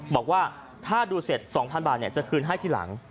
บอกว่าถ้าดูเสร็จ๒๐๐๐บาทจะคืนให้ทีหลัง